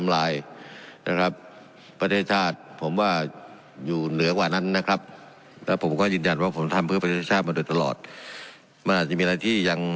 เลยนะครับประเทศชาติผมว่าอยู่เหลือความนั้นนะครับแล้วผมก็ยืนยันว่าผมทำเมื่อปฏิชามาเลยตลอดจะมีอะไรที่ยัง